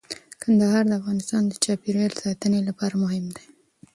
کندهار د افغانستان د چاپیریال ساتنې لپاره مهم دی.